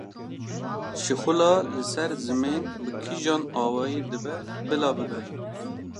Şixula li ser zimên bi kîjan awayî dibe bila bibe.